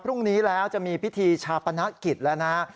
พรุ่งนี้แล้วจะมีพิธีชาปนกิจแล้วนะฮะ